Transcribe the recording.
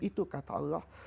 itu kata allah